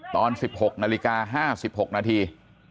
ตอน๑๖นาฬิกา๕๖นาที